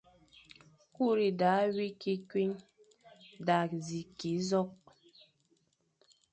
« kuri da wi kwuign da zi kig zokh.